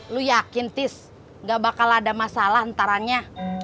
lo yakin tis gak bakal ada masalah ntaranya